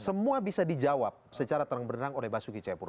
semua bisa dijawab secara terang berang oleh basuki ceyapura